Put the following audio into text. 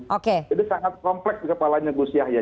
jadi sangat kompleks kepalanya gus yahya